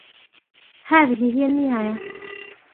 هذه هي النهاية.